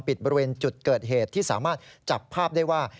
บริเวณจุดเกิดเหตุที่สามารถจับภาพได้ว่า